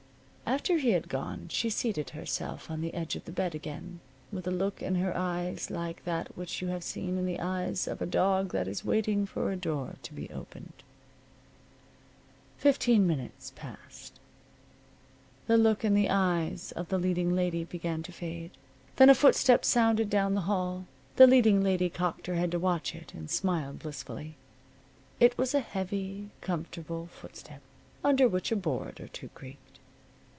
After he had gone she seated herself on the edge of the bed again, with a look in her eyes like that which you have seen in the eyes of a dog that is waiting for a door to be opened. Fifteen minutes passed. The look in the eyes of the leading lady began to fade. Then a footstep sounded down the hall. The leading lady cocked her head to catch it, and smiled blissfully. It was a heavy, comfortable footstep, under which a board or two creaked.